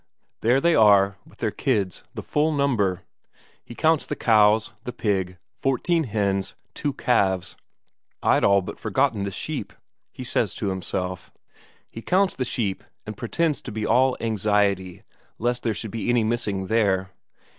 There they are with their kids, the full number. He counts the cows, the pig, fourteen hens, two calves. "I'd all but forgotten the sheep," he says to himself; he counts the sheep, and pretends to be all anxiety lest there should be any missing there.